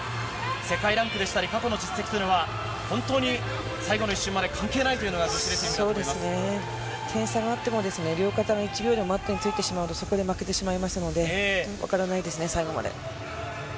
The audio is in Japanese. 世界ランクでしたり、過去の実績というのは本当に最後の一瞬まで関係ないというのが女点差があっても、両肩が１秒でもマットについてしまうと、そこで負けてしまいますので、分からないですね、最後まで。